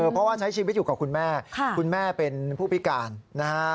เพราะว่าใช้ชีวิตอยู่กับคุณแม่คุณแม่เป็นผู้พิการนะฮะ